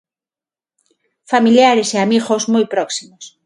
Familiares e amigos moi próximos.